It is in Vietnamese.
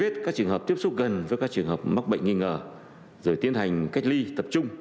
tất cả các trường hợp mắc bệnh nghi ngờ rồi tiến hành cách ly tập trung